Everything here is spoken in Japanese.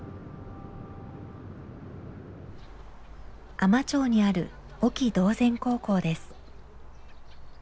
海士町にある隠岐島前高校です。